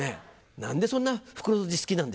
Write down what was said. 何でそんな袋とじ好きなんですか？